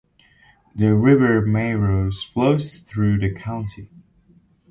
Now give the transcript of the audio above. The river Maros flows through the county.